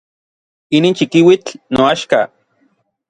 Inin chikiuitl noaxka.